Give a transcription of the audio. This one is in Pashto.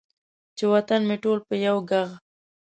چې وطن مې ټول په یو ږغ،